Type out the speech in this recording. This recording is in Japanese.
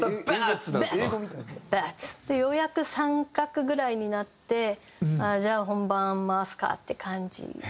ようやく三角ぐらいになって「じゃあ本番回すか」って感じが。